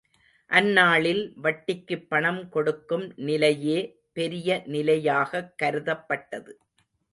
அந்நாளில் வட்டிக்குப் பணம் கொடுக்கும் நிலையே பெரிய நிலையாகக் கருதப்பட்டது.